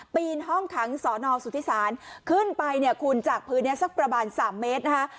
ปีนห้องขังสอนอสุทธิศาลขึ้นไปเนี่ยคุณจากพื้นนี้สักประมาณสามเมตรนะคะ